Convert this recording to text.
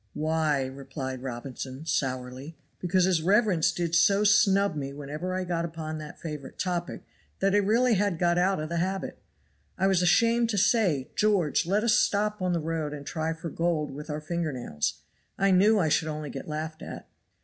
"Why?" replied Robinson, sourly, "because his reverence did so snub me whenever I got upon that favorite topic, that I really had got out of the habit. I was ashamed to say, 'George, let us stop on the road and try for gold with our finger nails.' I knew I should only get laughed at."